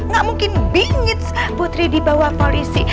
gak mungkin bingit putri dibawa polisi